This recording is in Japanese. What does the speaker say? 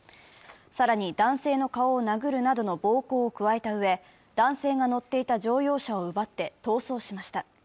更に、男性の顔を殴るなどの暴行を加えたうえ、男性が乗っていた乗用車を奪って逃走しました。